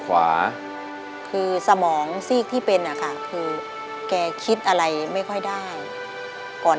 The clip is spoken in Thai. วันนี้อาการ